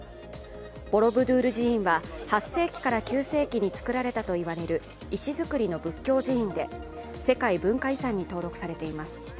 ボロブドゥール寺院は８世紀から９世紀に造られたといわれる石造りの仏教寺院で世界文化遺産に登録されています。